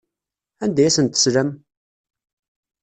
Anda ay asent-teslam?